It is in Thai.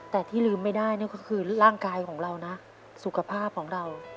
แต่ที่ลืมไม่ได้นี่ก็คือร่างกายของเรานะสุขภาพของเรา